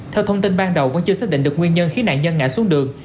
theo thông tin ban đầu vẫn chưa xác định được nguyên nhân khiến nạn nhân ngã xuống đường